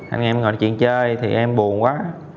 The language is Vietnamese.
anh em ngồi nói chuyện chơi thì em buồn quá